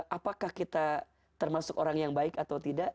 apakah kita termasuk orang yang baik atau tidak